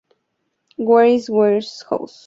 Where Is Warehouse Mouse?